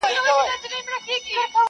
ومي د سترګو نګهبان لکه باڼه ملګري,